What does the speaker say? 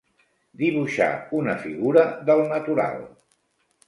Dibuixar una figura del natural.